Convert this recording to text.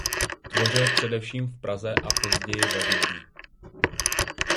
Tvořil především v Praze a později ve Vídni.